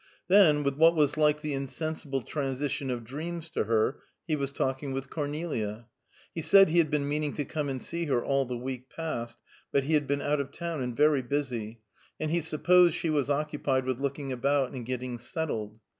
Then, with what was like the insensible transition of dreams to her, he was talking with Cornelia. He said he had been meaning to come and see her all the week past, but he had been out of town, and very busy, and he supposed she was occupied with looking about and getting settled.